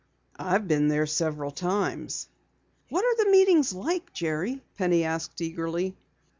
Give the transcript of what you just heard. "I've been there several times." "What are the meetings like, Jerry?" Penny asked eagerly.